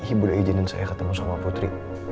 ibu udah izinin saya ketemu sama putri